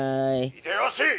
「秀吉！